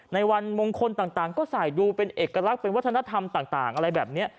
ในวันมงคลต่างก็ใส่ดูเป็นเอกลักษณ์เป็นวัฒนธรรมต่างอะไรแบบนี้